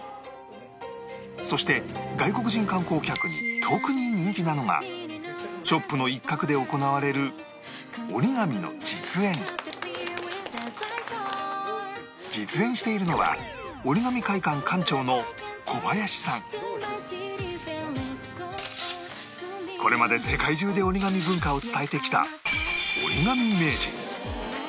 そして外国人観光客に特に人気なのがショップの一角で行われる実演しているのはこれまで世界中で折り紙文化を伝えてきた折り紙名人